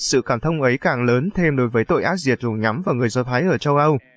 sự cảm thông ấy càng lớn thêm đối với tội ác diệt dùng nhắm vào người do thái ở châu âu